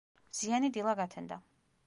მზიანი დილა გათენდა.